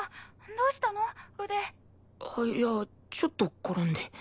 「どうしたの？腕」いやちょっと転んで。